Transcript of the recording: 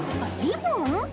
リボン？